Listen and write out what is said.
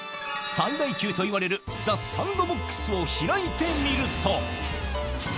最大級といわれる、ザ・サンドボックスを開いてみると。